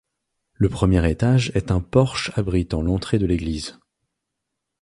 Le premier étage est un porche abritant l'entrée de l'église.